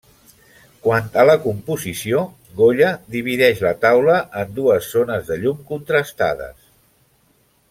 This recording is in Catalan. Quant a la composició, Goya divideix la taula en dues zones de llum contrastades.